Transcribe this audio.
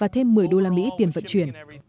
thêm một mươi đô la mỹ tiền vận chuyển